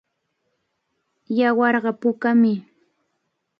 Yawarqa pukami.